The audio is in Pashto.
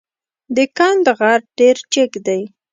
د کند غر ډېر جګ دی.